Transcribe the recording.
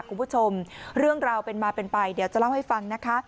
คุณผู้ชมเรื่องราวเป็นมาเป็นไปเดี๋ยวจะเล่าให้ฟังนะคะ